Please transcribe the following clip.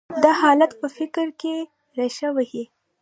دا حالت په فکر کې رېښه وهي.